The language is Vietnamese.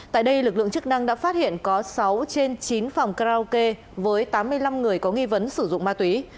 tại đây lực lượng chức năng đã phát hiện có sáu trên chín phòng karaoke với tám mươi năm người có nghi vấn sử dụng ma túy